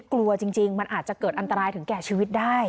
กลัวจริงมันอาจจะเกิดอันตรายถึงแก่ชีวิตได้